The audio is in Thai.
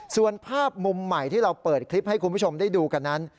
ส่วนภาพมุมใหม่ที่เราเปิดคลิปให้คุณผู้ชมได้ดูกันนั้น